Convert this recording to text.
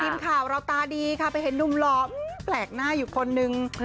ทีมข่าวเราตาดีค่ะไปเห็นหนุ่มหล่อแปลกหน้าอยู่คนนึง